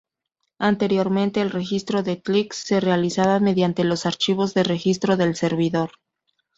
Anteriormente, el registro de clics se realizaba mediante los archivos de registro del servidor.